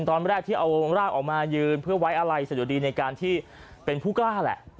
ตอนแรกที่เอาร่างออกมายืนเพื่อไว้อะไรสะดุดีในการที่เป็นผู้กล้าแหละ